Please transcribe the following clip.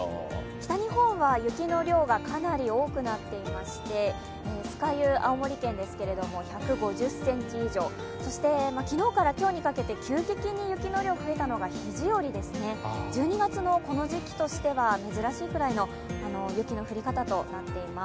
北日本は雪の量がかなり多くなっていまして、酸ヶ湯、青森県ですけれども１５０ｃｍ以上そして昨日から今日にかけて急激に雪の量が増えたのが肘折ですね、１２月のこの時期としては珍しいくらいの雪の降り方となっています。